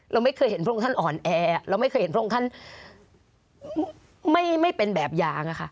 เราไม่เคยเห็นพระองค์ท่านอ่อนแอเราไม่เคยเห็นพระองค์ท่านไม่เป็นแบบอย่างค่ะ